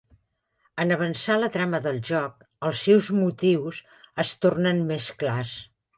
En avançar la trama del joc, els seus motius es tornen més clars.